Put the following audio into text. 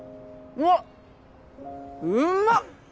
うわうまっ。